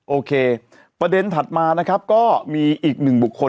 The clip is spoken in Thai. โอเคประเด็นถัดมานะครับก็มีอีกหนึ่งบุคคล